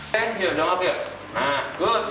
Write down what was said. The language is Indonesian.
terima kasih saya sudah menguapkan